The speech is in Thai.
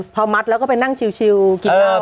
พอมัดแล้วก็ไปนั่งชิวกินเอา